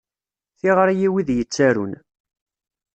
Tiɣri i wid yettarun.